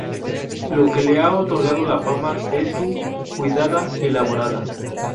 Lo que le ha otorgado la fama es su cuidada elaboración.